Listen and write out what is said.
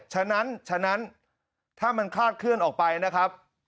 ฉะนั้นฉะนั้นถ้ามันคลาดเคลื่อนออกไปนะครับ